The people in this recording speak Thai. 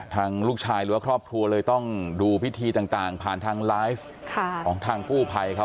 ทางลูกชายหรือว่าครอบครัวเลยต้องดูพิธีต่างผ่านทางไลฟ์ของทางกู้ภัยเขา